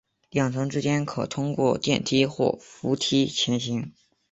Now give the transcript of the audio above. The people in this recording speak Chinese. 两层之间可通过电梯或扶梯前往。